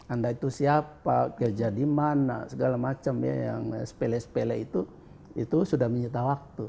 anda itu siapa gerja di mana segala macam ya yang sepele sepele itu itu sudah menyita waktu